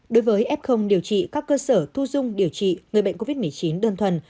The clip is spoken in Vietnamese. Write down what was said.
đối với f điều trị các cơ sở thu dung điều trị người bệnh covid một mươi chín đơn thuần